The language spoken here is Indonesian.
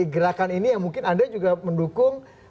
gerakan ini yang mungkin anda juga mendukung